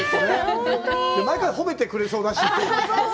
毎回褒めてくれそうだし。